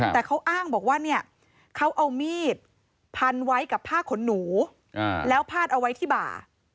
แต่เขาอ้างบอกว่าเนี่ยเขาเอามีดพันไว้กับผ้าขนหนูแล้วพาดเอาไว้ที่บ่า